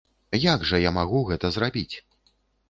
Як жа я магу гэта зрабіць?